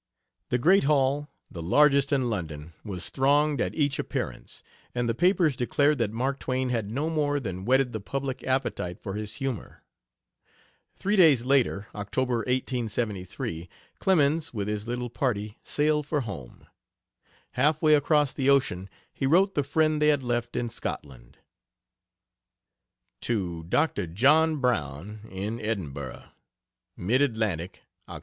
The great hall, the largest in London, was thronged at each appearance, and the papers declared that Mark Twain had no more than "whetted the public appetite" for his humor. Three days later, October 1873, Clemens, with his little party, sailed for home. Half way across the ocean he wrote the friend they had left in Scotland: To Dr. John Brown, in Edinburgh: MID ATLANTIC, Oct.